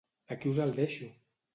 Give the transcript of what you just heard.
Aquí us el deixo!